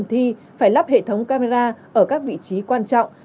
thi phải lắp hệ thống camera ở các vị trí quan trọng